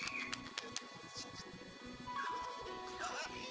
untuk membuat organisasi loyang nyaman j trabalhar